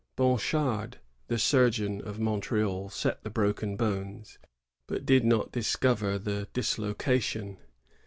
Bonchard, the surgeon of Montreal, set the broken bones, but did not discover the dis location.